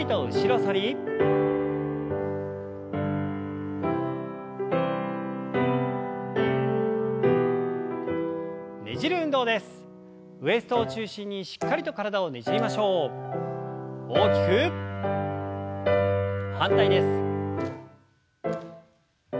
反対です。